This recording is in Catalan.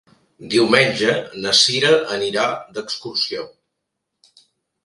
Diumenge na Sira anirà d'excursió.